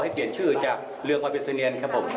ให้เปลี่ยนชื่อจากเรืองบรรพีเสนียน